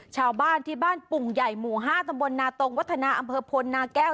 ชาวบ้านที่บ้านปุ่งใหญ่หมู่๕ตำบลนาตรงวัฒนาอำเภอพลนาแก้ว